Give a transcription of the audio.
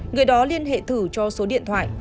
người đó liên hệ thử cho số điện thoại